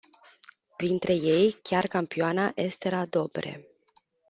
Printre ei chiar campioana Estera Dobre.